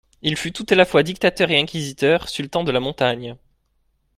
Il fut tout à la fois dictateur et inquisiteur, sultan de la montagne.